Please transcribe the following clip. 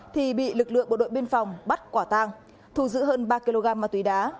thì bị lực lượng bộ đội biên phòng bắt quả tang thù giữ hơn ba kg ma túy đá